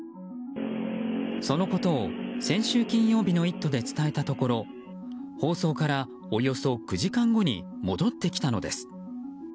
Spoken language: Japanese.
そのことを先週金曜日の「イット！」で伝えたところ放送からおよそ９時間後に戻ってきたのです。